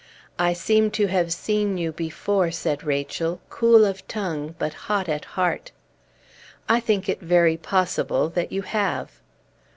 "I seem to have seen you before," said Rachel, cool of tongue but hot at heart. "I think it very possible that you have."